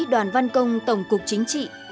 đoàn văn công tổng cục chính trị